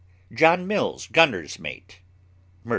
JOHN MILLS, gunner's mate } do.